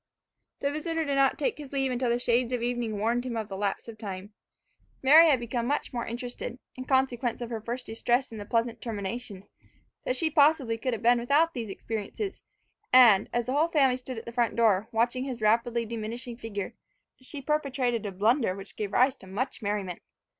The visitor did not take his leave until the shades of evening warned him of the lapse of time. Mary had become much more interested, in consequence of her first distress and the pleasant termination, than she possibly could have been without these experiences; and as the whole family stood at the front door, watching his rapidly diminishing figure, she perpetrated a blunder which gave rise to much merriment.